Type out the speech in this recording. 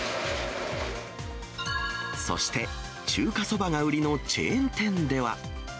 そして、中華そばが売りのチェーン店では。